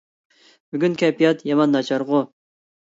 بۈگۈن كەيپىيات يامان ناچارغۇ.